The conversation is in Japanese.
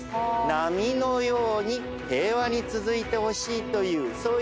波のように平和に続いてほしいというそういう願い。